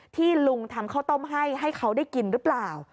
ที่ลุงทำข้าวต้มให้ให้เขาได้กินหรือเปล่า